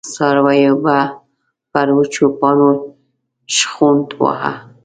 څارويو به پر وچو پاڼو شخوند واهه.